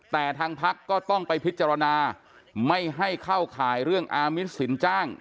แต่ทางพักก็ต้องไปพิจารณาไม่ให้เข้าข่ายเรื่องอามิตสินจ้าง